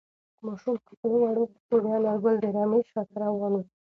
ماشوم په خپلو وړو پښو د انارګل د رمې شاته روان و.